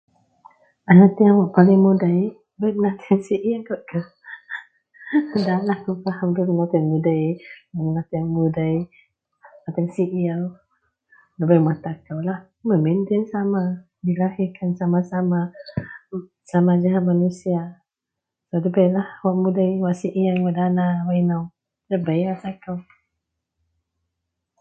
Paling mudei dagen mata kou ialah debai sai siew sian mun mudei mun mapun debailah wak mudei wak dana.